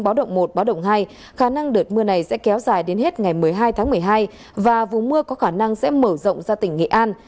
báo động một báo động hai khả năng đợt mưa này sẽ kéo dài đến hết ngày một mươi hai tháng một mươi hai và vùng mưa có khả năng sẽ mở rộng ra tỉnh nghệ an